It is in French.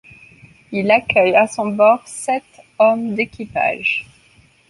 Il accueille à son bord sept hommes d'équipage.